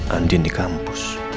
andien di kampus